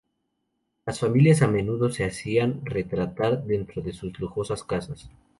Las familias a menudo se hacían retratar dentro de sus lujosas casas.